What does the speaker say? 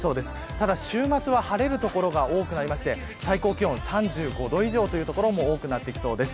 ただ週末は晴れる所が多くなりまして最高気温３５度以上という所も多くなってきそうです。